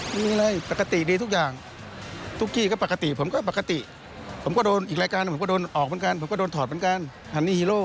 ไม่เป็นว่าอะไรมันก็เป็นเรื่องปกติ